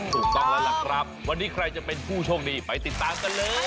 ถูกต้องแล้วล่ะครับวันนี้ใครจะเป็นผู้โชคดีไปติดตามกันเลย